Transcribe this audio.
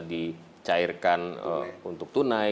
dicairkan untuk tunai